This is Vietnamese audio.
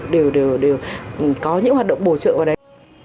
đều có những hoạt động bổ trợ vào đấy